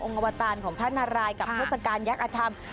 อวตารของพระนารายกับเทศกาลยักษ์อธรรม